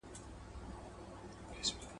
د ښارونو ترمنځ لارې خوندي شوې.